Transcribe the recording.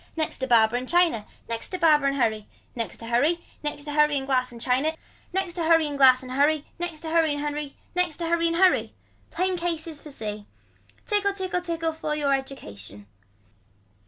Next to barber and china. Next to barber and hurry. Next to hurry. Next to hurry and glass and china. Next to hurry and glass and hurry. Next to hurry and hurry. Next to hurry and hurry. Plain cases for see. Tickle tickle tickle you for education.